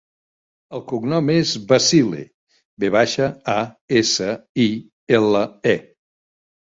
El cognom és Vasile: ve baixa, a, essa, i, ela, e.